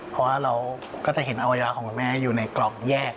เพราะว่าเราก็จะเห็นอวัยวะของคุณแม่อยู่ในกล่องแยก